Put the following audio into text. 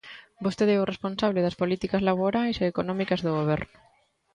Vostede é o responsable das políticas laborais e económicas do Goberno.